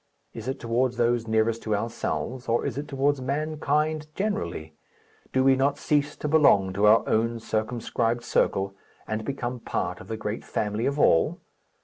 Is it towards those nearest to ourselves, or is it towards mankind generally? Do we not cease to belong to our own circumscribed circle, and become part of the great family of all?